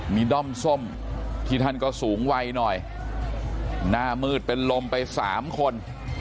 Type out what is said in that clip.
ด้อมส้มที่ท่านก็สูงวัยหน่อยหน้ามืดเป็นลมไปสามคน